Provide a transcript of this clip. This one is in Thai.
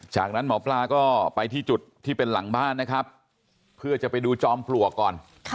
จากนั้นหมอปลาก็ไปที่จุดที่เป็นหลังบ้านนะครับเพื่อจะไปดูจอมปลวกก่อน